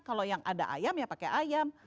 kalau yang ada ayam ya pakai ayam